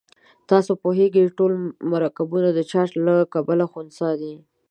تاسې پوهیږئ چې ټول مرکبونه د چارج له کبله خنثی دي.